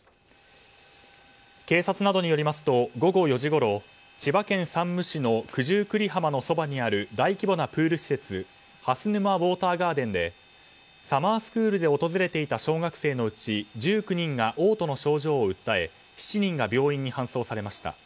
警察などによりますと午後４時ごろ千葉県山武市の九十九里浜のそばにある大規模なプール施設蓮沼ウォーターガーデンでサマースクールで訪れていた小学生のうち１９人が嘔吐の症状を訴え７人が病院に搬送されました。